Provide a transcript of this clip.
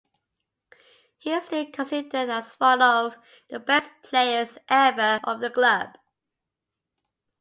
He is still considered as one of the best players ever of the club.